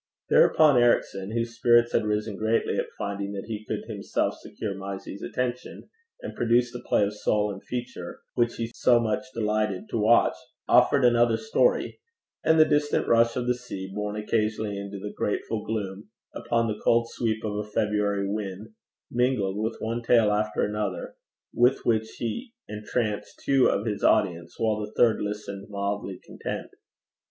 Thereupon Ericson, whose spirits had risen greatly at finding that he could himself secure Mysie's attention, and produce the play of soul in feature which he so much delighted to watch, offered another story; and the distant rush of the sea, borne occasionally into the 'grateful gloom' upon the cold sweep of a February wind, mingled with one tale after another, with which he entranced two of his audience, while the third listened mildly content.